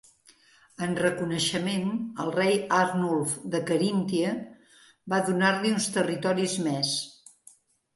En reconeixement, el rei Arnulf de Caríntia va donar-li uns territoris més.